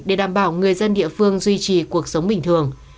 để đảm bảo người dân địa phương duy trì cuộc sống bình thường